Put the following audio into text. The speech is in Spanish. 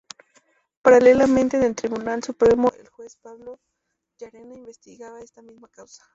Paralelamente, en el Tribunal Supremo el juez Pablo Llarena investigaba esta misma causa.